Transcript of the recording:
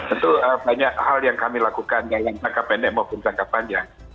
itu banyak hal yang kami lakukan dalam jangka pendek maupun jangka panjang